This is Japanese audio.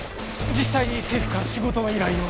実際に政府から仕事の依頼を？